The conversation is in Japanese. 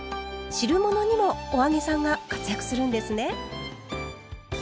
汁物にもお揚げさんが活躍するんですね。